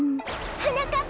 はなかっ